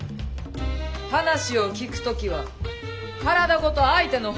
話を聞く時は体ごと相手の方を向く。